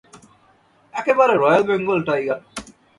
একেবারে royal Bengal tiger.